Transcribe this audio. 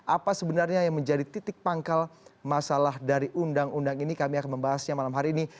apa sebenarnya yang menjadi titik pangkal masalah dari undang undang ini kami akan membahasnya malam hari ini